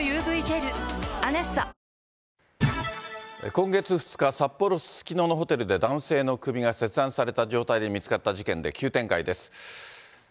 今月２日、札幌・すすきののホテルで男性の首が切断された状態で見つかった事件で急展開です。